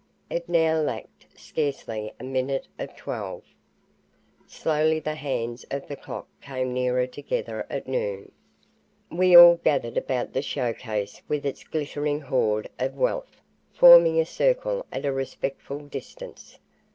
It now lacked scarcely a minute of twelve. Slowly the hands of the clock came nearer together at noon. We all gathered about the show case with its glittering hoard of wealth, forming a circle at a respectful distance.